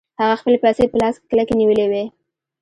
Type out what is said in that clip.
هغه خپلې پيسې په لاس کې کلکې نيولې وې.